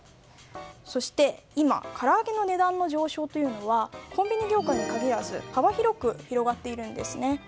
そして、今、から揚げの値段の上昇というのはコンビニ業界に限らず幅広く広がっているんですね。